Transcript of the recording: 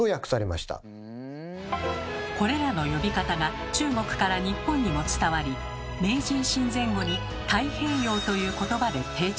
これらの呼び方が中国から日本にも伝わり明治維新前後に「太平洋」という言葉で定着。